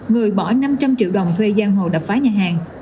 người bỏ năm trăm linh triệu đồng thuê giang hồ đập phá nhà hàng